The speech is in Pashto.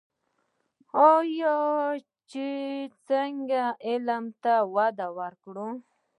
آیا چې څنګه علم ته وده ورکړو؟